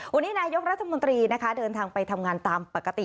วันนี้นายกรัฐมนตรีนะคะเดินทางไปทำงานตามปกติ